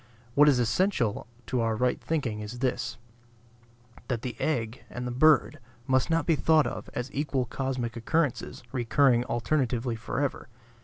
What is essential to our right thinking is this: that the egg and the bird must not be thought of as equal cosmic occurrences recurring alternatively forever.